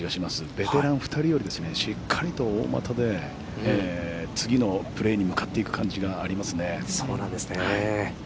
ベテラン２人よりしっかりと大股で次のプレーに向かって行く感じがありますね。